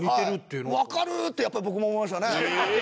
わかるってやっぱり僕も思いましたね。